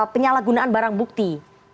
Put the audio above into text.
penyalahgunaan barang bukti